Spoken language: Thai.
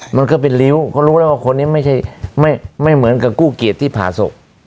มันก็เป็นริ้วเขารู้แล้วว่าคนนี้ไม่ใช่ไม่เหมือนกับกู้เกียรติที่ผ่าศพ